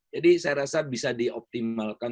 jadi saya rasa bisa dioptimalkan